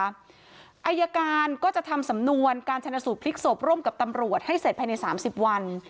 อายการก็จะทำสำนวนการชนะสูตรพลิกศพร่วมกับตำรวจให้เสร็จภายใน๓๐วัน